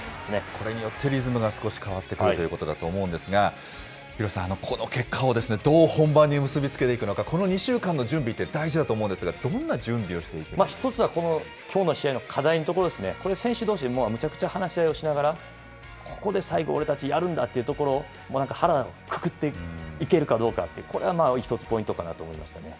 これによってリズムが少し変わってくるということだと思いますが、廣瀬さん、この結果をどう本番に結び付けていくのか、この２週間の準備って、大事だと思うんですが、どんな準備をしていけ一つはきょうの試合の課題のところですね、これ、選手どうしめちゃくちゃ話し合いをしながら、ここで最後俺たちやるんだっていうところ、腹くくっていけるかどうか、これは１つポイントかなと思いましたね。